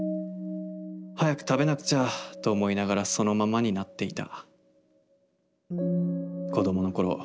早く食べなくちゃと思いながらそのままになっていた」。